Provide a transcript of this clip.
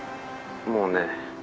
もうね